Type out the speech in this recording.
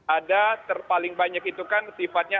ada terpaling banyak itu kan sifatnya